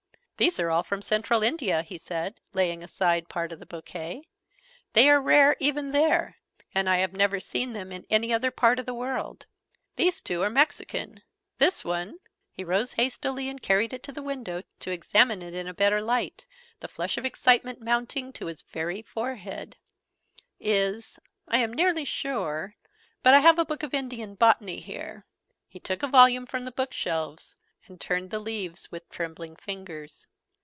"These are all from Central India!" he said, laying aside part of the bouquet. "They are rare, even there: and I have never seen them in any other part of the world. These two are Mexican This one " (He rose hastily, and carried it to the window, to examine it in a better light, the flush of excitement mounting to his very forehead) " is, I am nearly sure but I have a book of Indian Botany here " He took a volume from the book shelves, and turned the leaves with trembling fingers.